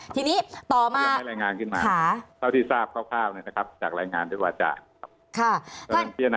ท่านตกลงเรื่องโหวทโน้เนี่ยชัดเจนหรือไม่คะ